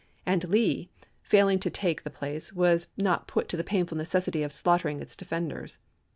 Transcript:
and Lee, failing to take the place, was not put to the painful necessity of slaughtering its defenders.